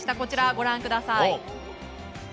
ご覧ください。